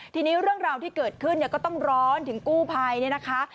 ทีนี้เรื่องราวที่เกิดขึ้นเนี่ยก็ต้องร้อนถึงกู้ภัยเนี่ยนะคะ